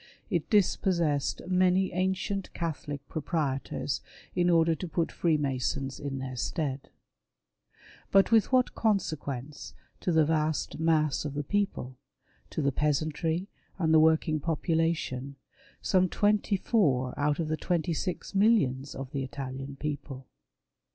It dispossessed many ancient Catholic proprietors, in order to put Freemasons in their stead. But Avith what consequence to the vast mass of the people, to the peasantry and the working popu lation — some twenty four out of the twenty six millions of the Italian people